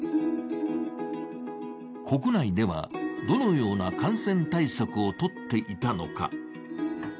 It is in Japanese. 国内では、どのような感染対策をとっていたのか。